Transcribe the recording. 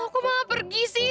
aku mau pergi sih